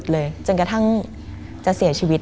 มันกลายเป็นรูปของคนที่กำลังขโมยคิ้วแล้วก็ร้องไห้อยู่